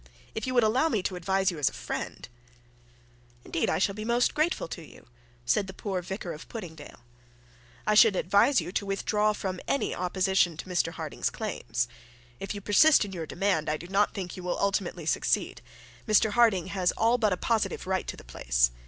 If you would allow me to advise you as a friend ' 'Indeed I shall be grateful to you,' said the poor vicar of Puddingdale 'I should advise you to withdraw from any opposition to Mr Harding's claims. If you persist in your demand, I do not think you will ultimately succeed. Mr Harding has all but a positive right to the place.